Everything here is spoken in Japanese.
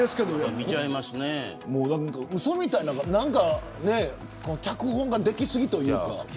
うそみたいな脚本ができすぎというか。